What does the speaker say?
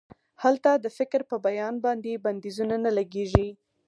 هلته د فکر په بیان باندې بندیزونه نه لګیږي.